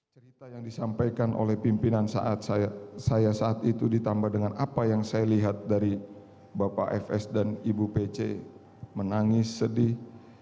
pertanyaan yang saya ingin mengatakan adalah